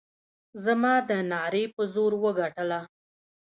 زما د نعرې په زور وګټله.